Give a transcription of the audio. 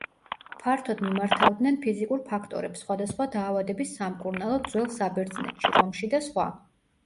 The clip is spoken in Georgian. ფართოდ მიმართავდნენ ფიზიკურ ფაქტორებს სხვადასხვა დაავადების სამკურნალოდ ძველ საბერძნეთში, რომში და სხვა.